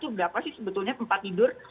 nah itu berapa sih sebetulnya tempat tidur